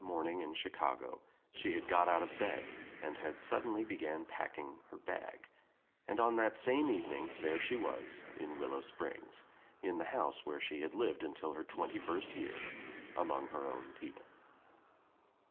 morning in Chicago she had got out of bed and had suddenly begun packing her bag, and on that same evening there she was in Willow Springs, in the house where she had lived until her twenty first year, among her own people.